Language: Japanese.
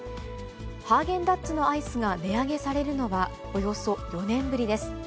ハーゲンダッツのアイスが値上げされるのは、およそ４年ぶりです。